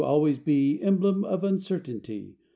to always be Emblem of uncertainty!